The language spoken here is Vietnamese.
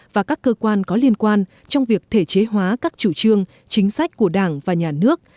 và các cơ quan có liên quan trong việc thể chế hóa các chủ trương chính sách của đảng và nhà nước